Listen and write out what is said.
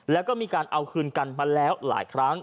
แล้วก็มีการเอาคืนกันมาแล้วหลายครั้ง